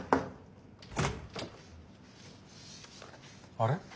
あれ？